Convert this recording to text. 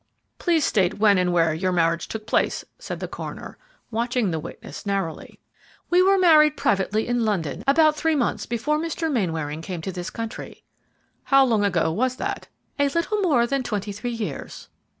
"Please state when and where your marriage took place," said the coroner, watching the witness narrowly. "We were married privately in London, about three months before Mr. Mainwaring came to this country." "How long ago was that?" "A little more than twenty three years."